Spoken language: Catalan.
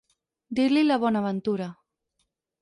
Dir-li la bonaventura.